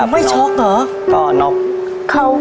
ครบถ้วนไม่ช็อกเหรอ